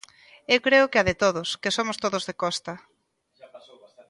Eu creo que a de todos, que somos todos de costa.